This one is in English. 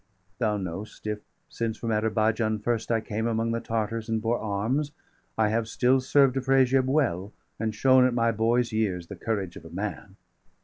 Thou know'st if, since from Ader baijan° first °42 I came among the Tartars and bore arms, I have still served Afrasiab well, and shown, At my boy's years,° the courage of a man.